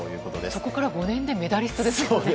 そこから５年でメダリストですよ。